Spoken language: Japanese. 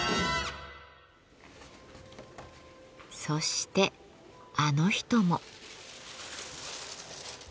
そしてあの人も。